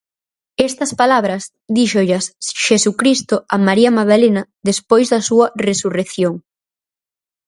Estas palabras díxollas Xesucristo a María Madalena despois da súa resurrección.